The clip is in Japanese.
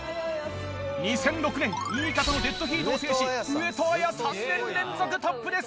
２００６年２位以下とのデッドヒートを制し上戸彩３年連続トップです！